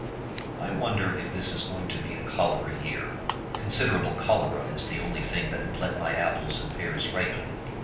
I wonder if this is going to be a cholera year. Considerable cholera is the only thing that would let my apples and pears ripen.